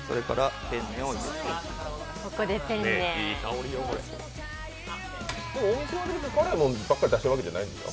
お店では別に辛いものばっかり出しているわけじゃないんでしょう？